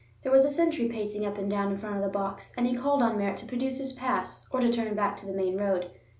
There was a sentry pacing up and down in front of the box, and he called on Merritt to produce his pass, or to turn back to the main road.